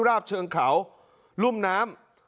ราบเชิงเขารุ่มน้ำ